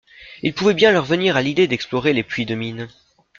Il pouvait bien leur venir à l'idée d'explorer les puits de mine.